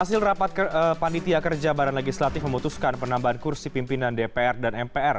hasil rapat panitia kerja badan legislatif memutuskan penambahan kursi pimpinan dpr dan mpr